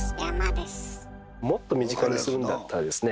もっと身近にするんだったらですね